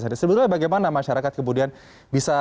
sebetulnya bagaimana masyarakat kemudian bisa